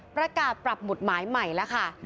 ประกาศปรับหมุดหมายใหม่แล้วค่ะ